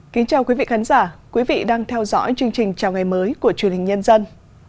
kính chào quý vị khán giả quý vị đang theo dõi chương trình chào ngày mới của truyền hình nhân dân